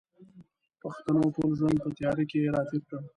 پښتنو ټول ژوند په تیاره کښې را تېر کړ